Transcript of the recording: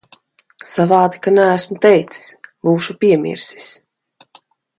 Savādi, ka neesmu teicis. Būšu piemirsis.